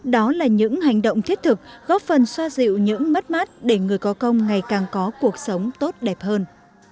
đó là những hành động thiết thực góp phần xoa dịu những mất mát để người có công ngày càng có cuộc sống tốt đẹp hơn